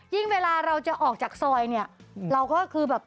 เวลาเราจะออกจากซอยเนี่ยเราก็คือแบบ